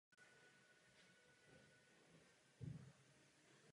Terapie se neprovádí.